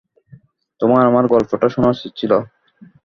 তোর আমার গল্পটা শোনা উচিত ছিল।